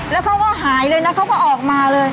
แล้วเขาก็หายเลยนะเขาก็ออกมาเลย